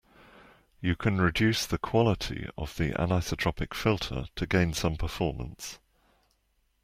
You can reduce the quality of the anisotropic filter to gain some performance.